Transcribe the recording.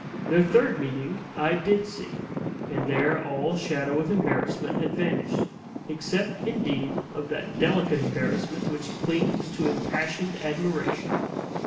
Their third meeting I DID see; and there all shadow of embarrassment had vanished, except, indeed, of that delicate embarrassment which clings to impassioned admiration.